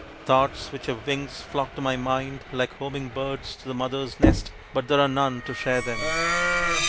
Thoughts which have wings flock to my mind like homing birds to the mother's nest, but there are none to share them.